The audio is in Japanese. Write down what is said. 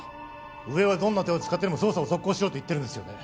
上はどんな手を使ってでも捜査を続行しろと言ってるんですよね